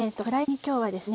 今日はですね